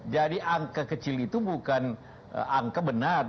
seratus seribu dua ratus jadi angka kecil itu bukan angka benar